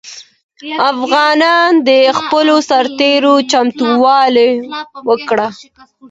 افغانانو د خپلو سرتېرو چمتووالی وکړ.